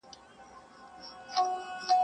بس هر قدم مي د تڼاکو تصویرونه وینم !.